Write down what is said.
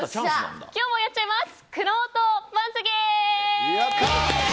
今日もやっちゃいます！